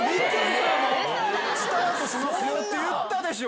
「スタートしますよ」って言ったでしょ。